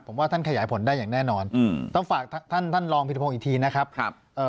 ผมว่าท่านขยายผลได้อย่างแน่นอนต้องฝากท่านรองผีระโพงอีกทีนะครับ